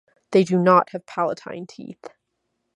They do not have palatine teeth.